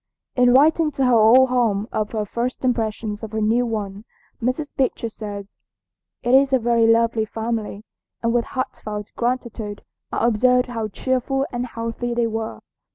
In writing to her old home of her first impressions of her new one, Mrs. Beecher says: "It is a very lovely family, and with heartfelt gratitude I observed how cheerful and healthy they were.